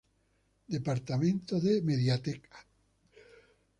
Departamento de Mediateca.